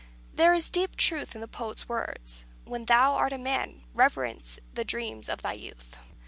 There is deep truth in the poet's words, "When thou art a man, reverence the dreams of thy youth."